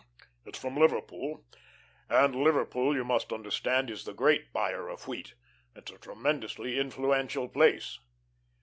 "It's from Liverpool, and Liverpool, you must understand, is the great buyer of wheat. It's a tremendously influential place."